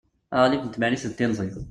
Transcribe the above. aɣlif n tmerrit d tinḍi